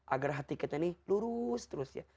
agar hati kita ini lurus terus ya